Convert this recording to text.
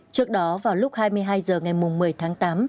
trước đó vào lúc hai mươi hai h ngày một mươi tháng tám